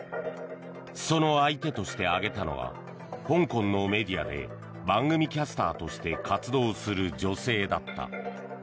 その相手として挙げたのは香港のメディアで番組キャスターとして活動する女性だった。